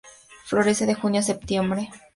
Florece de junio a septiembre en el hemisferio norte.